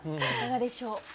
いかがでしょう？